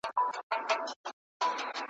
ورته راغی چي طبیب چا ورښودلی,